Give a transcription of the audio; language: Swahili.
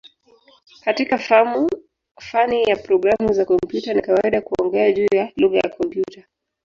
Katika fani ya programu za kompyuta ni kawaida kuongea juu ya "lugha ya kompyuta".